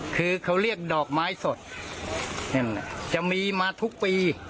คือเขาเรียกดอกไม้สดจะมีมาทุกปี